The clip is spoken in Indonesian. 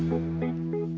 saya sudah vaan kali ini